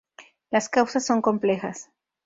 Las causas son complejas.